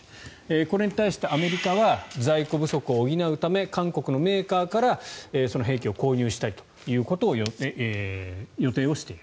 これに対してアメリカは在庫不足を補うため韓国のメーカーから兵器を購入したりということを予定している。